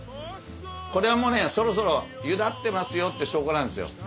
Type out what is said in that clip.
これはもうねそろそろゆだってますよって証拠なんですよ。